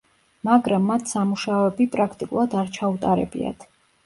მაგრამ მათ სამუშაოები პრაქტიკულად არ ჩაუტარებიათ.